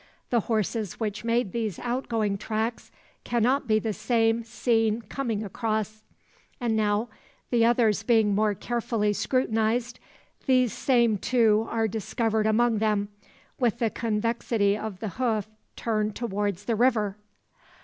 The horses which made these outgoing tracks cannot be the same seen coming across. And now, the others being more carefully scrutinised, these same two are discovered among them, with the convexity of the hoof turned towards the river!